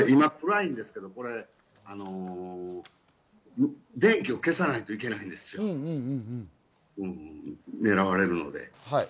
今、暗いですけど、電気を消さないといけないんですよ、狙われるので。